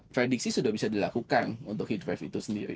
prediksi sudah bisa dilakukan untuk hidrive itu sendiri